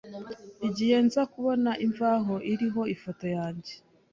igihe nza kubona imvaho iriho ifoto yanjye